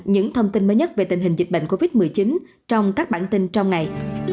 những thông tin mới nhất về tình hình dịch bệnh covid một mươi chín trong các bản tin trong ngày